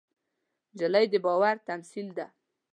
نجلۍ د باور تمثیل ده.